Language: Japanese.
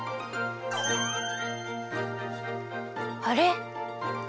あれ？